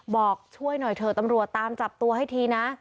บอกช่วยหน่อยเถอะตำรวจตามจับตัวให้ทีนะ